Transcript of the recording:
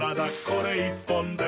これ１本で」